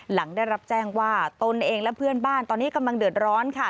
หลังได้รับแจ้งว่าตนเองและเพื่อนบ้านตอนนี้กำลังเดือดร้อนค่ะ